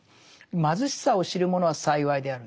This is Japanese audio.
「貧しさを知るものは幸いである」。